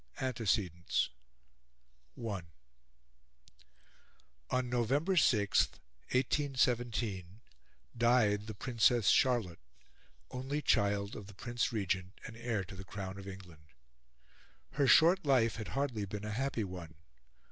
ANTECEDENTS I On November 6, 1817, died the Princess Charlotte, only child of the Prince Regent, and heir to the crown of England. Her short life had hardly been a happy one.